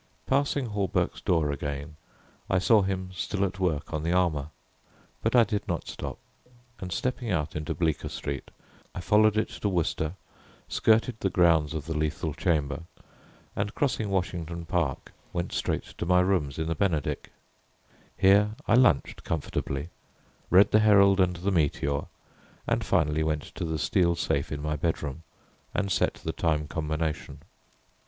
Passing Hawberk's door again I saw him still at work on the armour, but I did not stop, and stepping out into Bleecker Street, I followed it to Wooster, skirted the grounds of the Lethal Chamber, and crossing Washington Park went straight to my rooms in the Benedick. Here I lunched comfortably, read the Herald and the Meteor, and finally went to the steel safe in my bedroom and set the time combination.